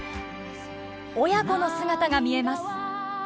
親子の姿が見えます。